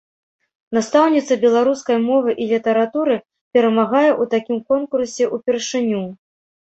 Настаўніца беларускай мовы і літаратуры перамагае ў такім конкурсе ўпершыню.